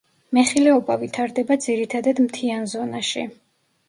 მეხილეობა ვითარდება ძირითადად მთიან ზონაში.